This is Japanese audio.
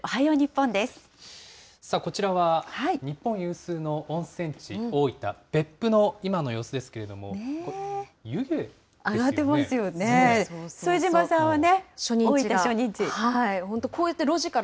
さあ、こちらは日本有数の温泉地、大分・別府の今の様子ですけれども、湯気ですよね？